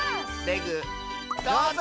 どうぞ！